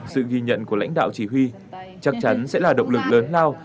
sự ghi nhận của lãnh đạo chỉ huy chắc chắn sẽ là động lực lớn lao